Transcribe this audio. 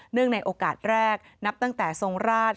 ในโอกาสแรกนับตั้งแต่ทรงราช